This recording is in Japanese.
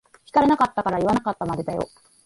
聞かれなかったから言わなかったまでだよ。